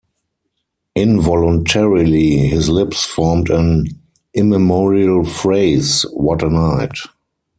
Involuntarily his lips formed an immemorial phrase: "What a night!"